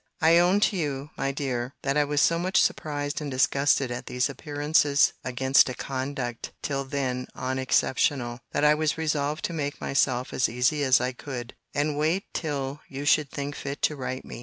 I own to you, my dear, that I was so much surprised and disgusted at these appearances against a conduct till then unexceptionable, that I was resolved to make myself as easy as I could, and wait till you should think fit to write to me.